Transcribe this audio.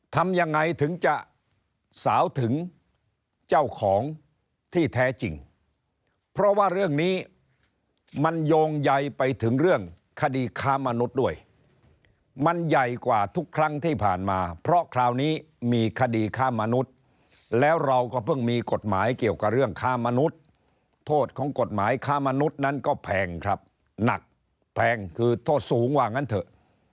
ทำยังไงถึงจะสาวถึงเจ้าของที่แท้จริงเพราะว่าเรื่องนี้มันโยงใยไปถึงเรื่องคดีค้ามนุษย์ด้วยมันใหญ่กว่าทุกครั้งที่ผ่านมาเพราะคราวนี้มีคดีฆ่ามนุษย์แล้วเราก็เพิ่งมีกฎหมายเกี่ยวกับเรื่องค้ามนุษย์โทษของกฎหมายค้ามนุษย์นั้นก็แพงครับหนักแพงคือโทษสูงว่างั้นเถอะ